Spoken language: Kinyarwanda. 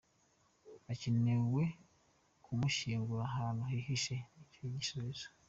Hakenewe kumushyingura ahantu hihishe, nicyo gisubizo.